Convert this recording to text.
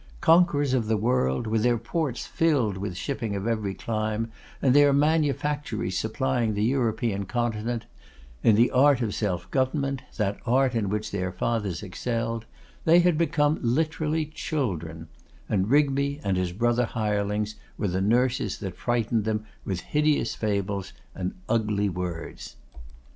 Conquerors of the world, with their ports filled with the shipping of every clime, and their manufactories supplying the European continent, in the art of self government, that art in which their fathers excelled, they had become literally children; and Rigby and his brother hirelings were the nurses that frightened them with hideous fables and ugly words.